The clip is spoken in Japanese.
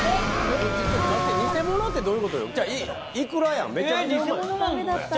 偽物って、どういうことよ？